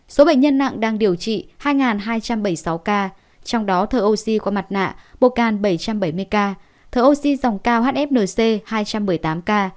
số bệnh nhân nặng đang điều trị hai hai trăm bảy mươi sáu ca trong đó thở oxy qua mặt nạ bocan bảy trăm bảy mươi ca thở oxy dòng cao hfnc hai trăm một mươi tám ca